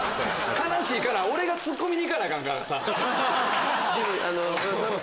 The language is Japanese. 悲しいかな俺がツッコみに行かなアカンからさ。